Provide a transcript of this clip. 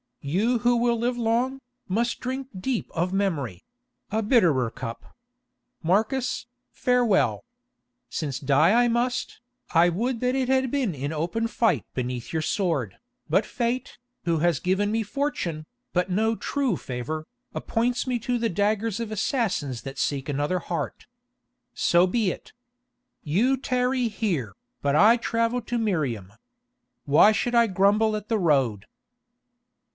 You who will live long, must drink deep of memory—a bitterer cup. Marcus, farewell. Since die I must, I would that it had been in open fight beneath your sword, but Fate, who has given me fortune, but no true favour, appoints me to the daggers of assassins that seek another heart. So be it. You tarry here, but I travel to Miriam. Why should I grumble at the road?